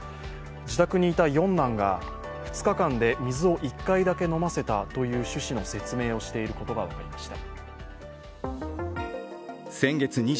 自宅にいた四男が、２日まで水を１回だけ飲ませたという趣旨の説明をしていることが分かりました。